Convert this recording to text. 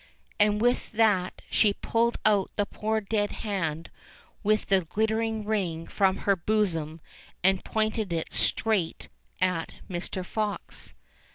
And with that she pulled out the poor dead hand with the glittering ring from her bosom and pointed it straight at Mr. Fox.